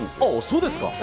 そうですか。